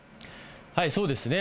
そうですね。